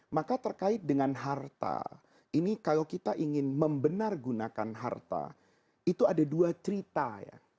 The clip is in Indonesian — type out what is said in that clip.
maka terkait dengan harta ini kalau kita ingin membenar gunakan harta itu ada dua cerita ya